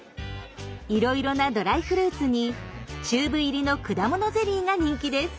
いろいろなドライフルーツにチューブ入りの果物ゼリーが人気です。